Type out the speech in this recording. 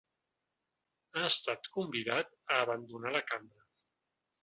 Ha estat convidat a abandonar la cambra.